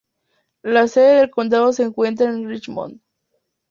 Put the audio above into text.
La sede del condado se encuentra en Richmond.